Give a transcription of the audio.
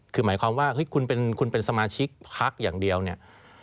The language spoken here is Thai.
คือหมายความว่าเฮ้ยคุณเป็นสมาชิกพักอย่างเดียวเนี่ย